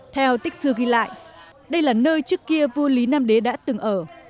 theo tích dư ghi lại đây là nơi trước kia vua lý nam đế đã từng ở